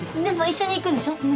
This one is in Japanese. でも一緒に行くんでしょ？